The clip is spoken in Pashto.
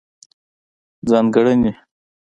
ځانګړنې: